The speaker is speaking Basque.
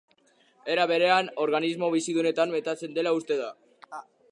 Era berean, organismo bizidunetan metatzen dela uste da.